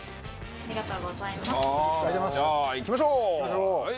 ありがとうございます。